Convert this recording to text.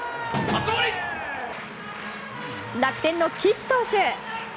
楽天の岸投手。